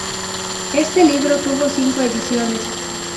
Este libro tuvo cinco ediciones.